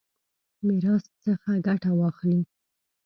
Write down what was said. میراث څخه ګټه واخلي.